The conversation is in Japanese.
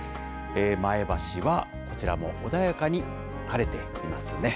前橋はこちらも穏やかに晴れていますね。